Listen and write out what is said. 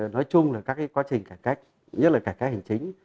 nói chung là các quá trình cải cách nhất là cải cách hành chính